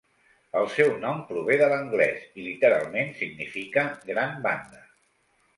El seu nom prové de l'anglès i literalment significa gran banda.